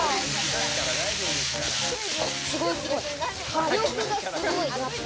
火力がすごい！